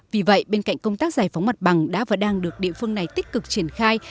vì vậy bên cạnh công tác giải phóng mặt bằng đã và đang được địa phương này tích cực triển khai